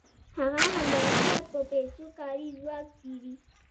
هغه همدارنګه په پیسو کاري ځواک پېري